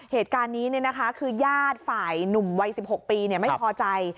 เหตุการณ์นี้คือญาติฝ่ายหนุ่มวัย๑๖ปีไม่พอใจ